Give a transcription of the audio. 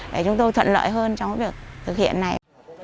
để chúng tôi thuận lợi hơn trong việc thực hiện này